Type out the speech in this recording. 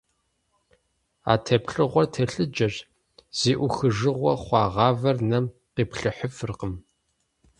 А теплъэгъуэр телъыджэщ - зи Ӏухыжыгъуэ хъуа гъавэр нэм къиплъыхьыфыркъым.